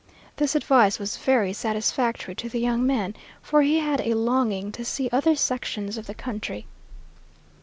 This advice was very satisfactory to the young man, for he had a longing to see other sections of the country.